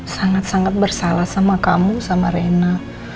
sangat sangat bersalah sama kamu sama rena